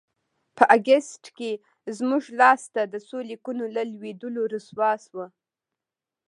په اګست کې زموږ لاسته د څو لیکونو له لوېدلو رسوا شوه.